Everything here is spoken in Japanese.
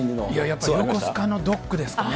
やっぱり横須賀のドックですかね。